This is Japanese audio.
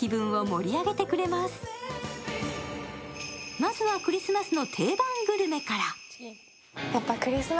まずはクリスマスの定番グルメから。